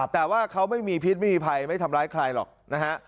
แต่ว่าเขาไม่มีพิษไม่มีภัยไม่ทำร้ายใครหรอกนะฮะ